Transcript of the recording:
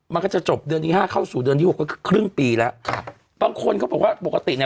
มันก็จะจบเดือนที่ห้าเข้าสู่เดือนที่หกก็คือครึ่งปีแล้วครับบางคนเขาบอกว่าปกติเนี้ย